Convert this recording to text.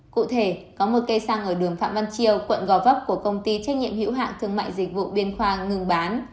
cụ thể có một cây xăng ở đường phạm văn chiêu quận gò vấp của công ty trách nhiệm hữu hạng thương mại dịch vụ biên khoa ngưng bán